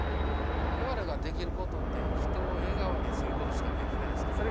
我々ができることって人を笑顔にすることしかできないですけど。